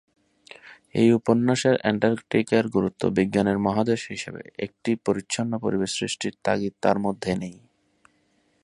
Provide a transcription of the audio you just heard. এই উপন্যাসে অ্যান্টার্কটিকার গুরুত্ব "বিজ্ঞানের মহাদেশ" হিসেবে, একটি পরিচ্ছন্ন পরিবেশ সৃষ্টির তাগিদ তার মধ্যে নেই।